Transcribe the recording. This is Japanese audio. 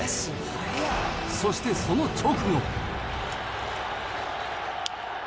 そしてその直後。